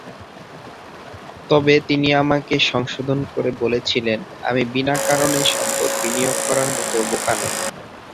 তবে তিনি আমাকে সংশোধন করে বলেছিলেন, 'আমি বিনা কারণে সম্পদ বিনিয়োগ করার মত বোকা নই"।"